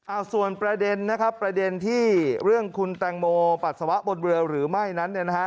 เอาส่วนประเด็นนะครับประเด็นที่เรื่องคุณแตงโมปัสสาวะบนเรือหรือไม่นั้นเนี่ยนะฮะ